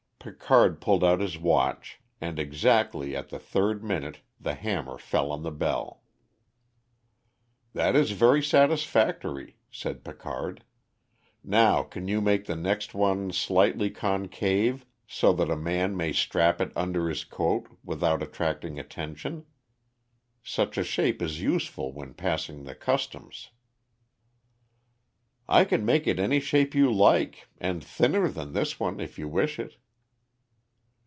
Picard pulled out his watch, and exactly at the third minute the hammer fell on the bell. "That is very satisfactory," said Picard; "now, can you make the next one slightly concave, so that a man may strap it under his coat without attracting attention? Such a shape is useful when passing the Customs." "I can make it any shape you like, and thinner than this one if you wish it."